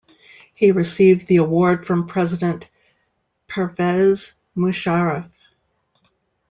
He received the award from President Pervez Musharraf.